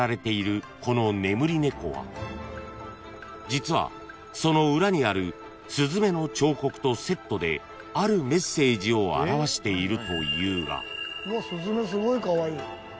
［実はその裏にあるスズメの彫刻とセットであるメッセージを表しているというが］